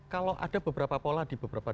kalau ada beberapa pola di beberapa